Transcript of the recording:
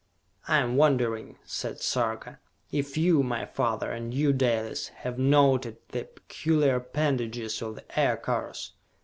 "I am wondering," said Sarka, "if you, my father, and you Dalis, have noted the peculiar appendages of the Aircars?"